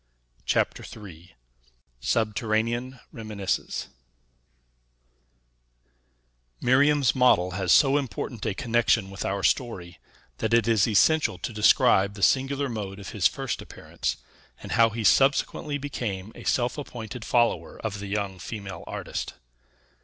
CHAPTER III SUBTERRANEAN REMINISCENCES Miriam's model has so important a connection with our story, that it is essential to describe the singular mode of his first appearance, and how he subsequently became a self appointed follower of the young female artist.